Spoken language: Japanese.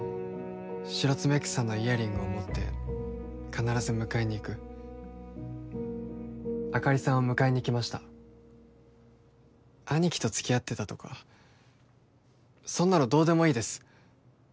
シロツメクサのイヤリングを持って必ず迎えに行くあかりさんを迎えに来ました兄貴と付き合ってたとかそんなのどうでもいいです